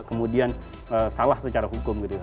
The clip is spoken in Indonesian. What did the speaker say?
kemudian salah secara hukum gitu